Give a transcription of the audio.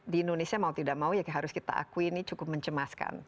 di indonesia mau tidak mau ya harus kita akui ini cukup mencemaskan